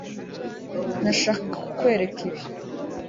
Nashakaga kukwereka ibi